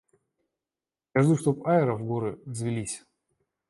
Я жду, чтоб аэро в горы взвились.